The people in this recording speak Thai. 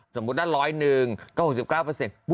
ดำเนินคดีต่อไปนั่นเองครับ